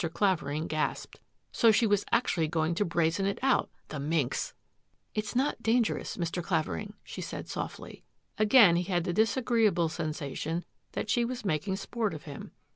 Clavering gasped. So she was actually going to brazen it out. The minx! " It's not dangerous, Mr. Clavering," said she softly. Again he had the disagreeable sensation that she was making sport of him.